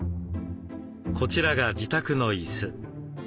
こちらが自宅の椅子。